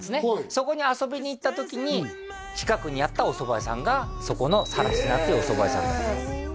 そこに遊びに行った時に近くにあったおそば屋さんがそこの更科というおそば屋さんだったんです